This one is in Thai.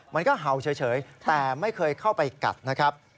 มันก็เห่าเฉยแต่ไม่เคยเข้าไปกัดนะครับ